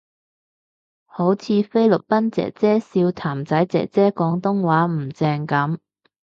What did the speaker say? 好似菲律賓姐姐笑譚仔姐姐廣東話唔正噉